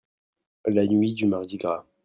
la nuit du Mardi-Gras.